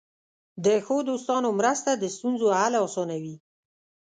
د ښو دوستانو مرسته د ستونزو حل آسانوي.